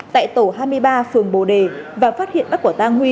tại tổ hai mươi ba phường bồ đề và phát hiện bắt quả tang nguy